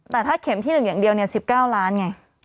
แต่ถ้าเข็มที่๑อย่างเดียว๑๙ล้านไง